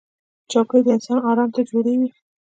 چوکۍ د انسان ارام ته جوړېږي